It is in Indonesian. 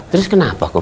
terus kenapa kok